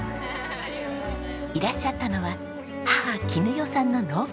いらっしゃったのは母絹代さんの農家友達。